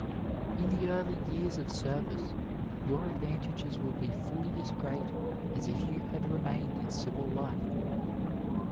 In the early years of service your advantages will be fully as great as if you had remained in civil life.